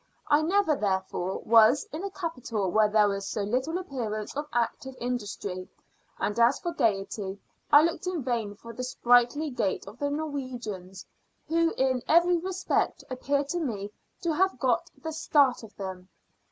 I never, therefore, was in a capital where there was so little appearance of active industry; and as for gaiety, I looked in vain for the sprightly gait of the Norwegians, who in every respect appear to me to have got the start of them.